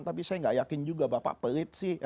tapi saya gak yakin juga bapak pelit sih